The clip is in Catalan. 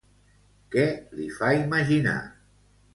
Què li fa imaginar?